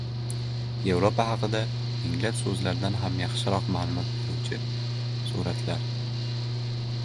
Yevropa haqida minglab so‘zlardan ham yaxshiroq ma’lumot beruvchi suratlar